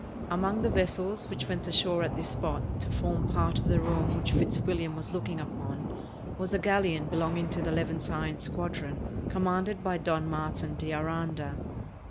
Among the vessels which went ashore at this spot to form part of the ruin which Fitzwilham was looking upon was a galleon belonging to the Levantine squadron, com manded by Don Martin de Aranda.